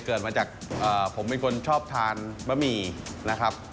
เกิดมาจากผมเป็นคนชอบทานบะหมี่นะครับ